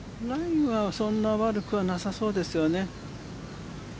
ライはそんなに悪くはなさそうですよね。